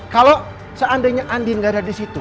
kalau seandainya andin gak ada di situ ya